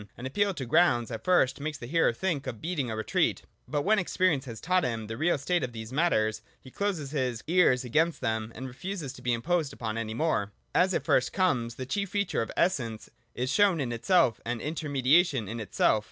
An appeal to grounds at first makes the hearer think of beating a retreat : but when experience has taught him the real state of these matters, he closes his ears against them, and refuses to be imposed upon any more. 122.] As it first comes, the chief feature of Essence is show in itself and intermediation in itself.